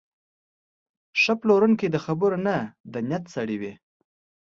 ښه پلورونکی د خبرو نه، د نیت سړی وي.